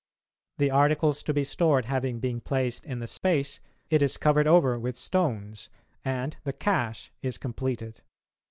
The articles to be stored having been placed in the space, it is covered over with stones, and the "cache" is completed.